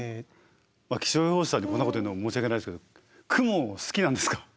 気象予報士さんにこんなこと言うのも申し訳ないですけど雲好きなんですか？